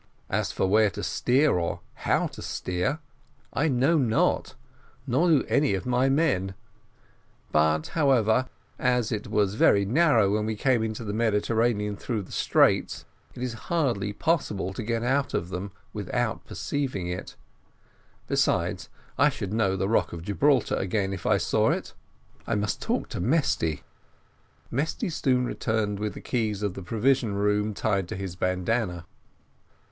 Then as for where to steer, or how to steer, I know not nor do any of my men; but, however, as it was very narrow when we came into the Mediterranean, through the straits, it is hardly possible to get out of them without perceiving it: besides, I should know the rock of Gibraltar again, if I saw it. I must talk to Mesty." Mesty soon returned with the keys of the provision room tied to his bandana.